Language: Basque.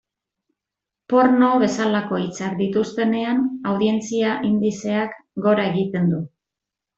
Porno bezalako hitzak dituztenean, audientzia indizeak gora egiten du.